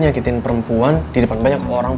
nyakitin perempuan di depan banyak orang